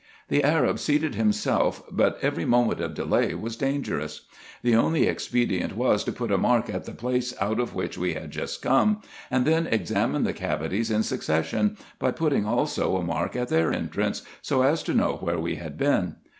The Arab seated himself, but every moment of delay was dangerous. The only expedient was, to put a mark at the place out of which we had just come, and then examine the cavities in succession, by putting also a mark at their entrance, so as to know where we had been.